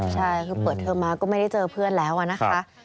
ใช่คือเปิดเทอมมาก็ไม่ได้เจอเพื่อนแล้วนะคะ